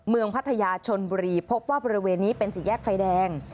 พัทยาชนบุรีพบว่าบริเวณนี้เป็นสี่แยกไฟแดง